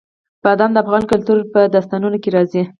بادام د افغان کلتور په داستانونو کې راځي.